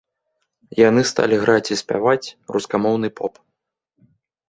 Яны сталі граць і спяваць рускамоўны поп.